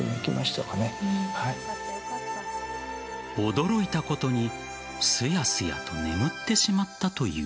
驚いたことにすやすやと眠ってしまったという。